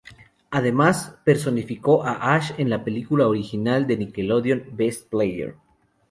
Además, personificó a Ash en la película original de Nickelodeon "Best Player".